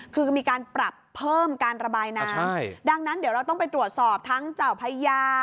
คือมีการปรับเพิ่มการระบายน้ำดังนั้นเดี๋ยวเราต้องไปตรวจสอบทั้งเจ้าพญา